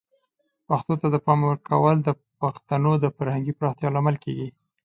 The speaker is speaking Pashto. پښتو ته د پام ورکول د پښتنو د فرهنګي پراختیا لامل کیږي.